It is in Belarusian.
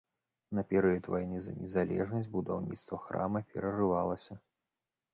На перыяд вайны за незалежнасць будаўніцтва храма перарывалася.